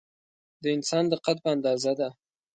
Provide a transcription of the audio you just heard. د انسان د قد په اندازه ده.